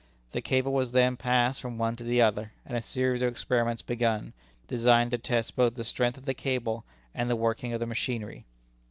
The cable was then passed from one to the other, and a series of experiments begun, designed to test both the strength of the cable and the working of the machinery.